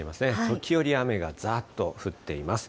時折雨がざっと降っています。